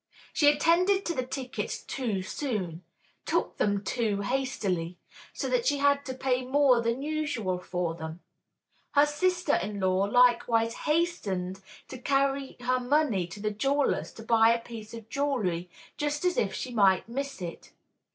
She attended to the tickets too soon, took them too hastily, so that she had to pay more than usual for them; her sister in law likewise hastened to carry her money to the jeweler's to buy a piece of jewelry, just as if she might miss it.